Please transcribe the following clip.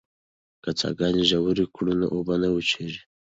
که څاګانې ژورې کړو نو اوبه نه وچېږي.